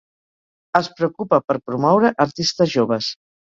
Es preocupa per promoure artistes joves.